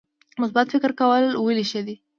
مثبت فکر کول ولې ښه دي؟